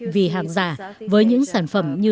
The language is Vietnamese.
vì hàng giả với những sản phẩm như